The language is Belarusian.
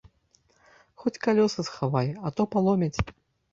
Хоць калёсы схавай, а то паломяць.